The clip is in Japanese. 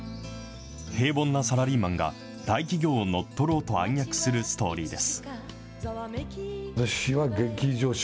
平凡なサラリーマンが、大企業を乗っ取ろうと暗躍するストーリーです。